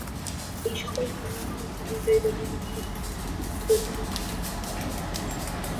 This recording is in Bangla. এই-সকল ভ্রমের পারে ফিরিয়া যাইবার জন্য, প্রকৃতপক্ষে মু্ক্ত হইবার জন্য সকলেই সংগ্রাম করিতেছে।